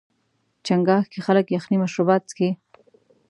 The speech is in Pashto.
چنګاښ کې خلک یخني مشروبات څښي.